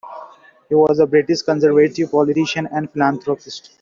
He was a British Conservative politician and philanthropist.